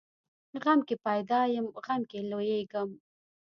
غم کې پیدا یم، غم کې لویېږم.